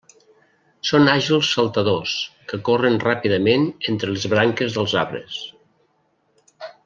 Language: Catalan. Són àgils saltadors, que corren ràpidament entre les branques dels arbres.